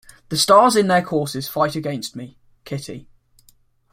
The stars in their courses fight against me, Kitty.